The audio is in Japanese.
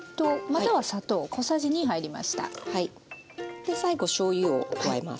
で最後しょうゆを加えます。